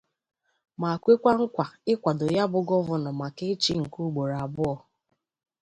ma kwekwa nkwa ịkwado ya bụ gọvanọ maka ịchị nke ugboro abụọ.